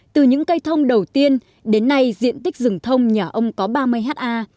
từ những cây thông đầu tiên đến nay diện tích rừng thông nhà ông có ba mươi ha